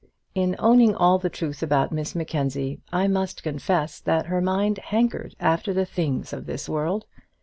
In owning all the truth about Miss Mackenzie, I must confess that her mind hankered after the things of this world.